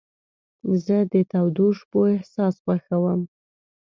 زه د تودو شپو احساس خوښوم.